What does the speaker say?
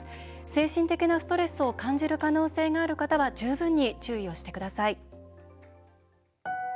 精神的なストレスを感じる可能性がある方は十分に注意してください。